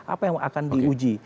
apa yang akan diuji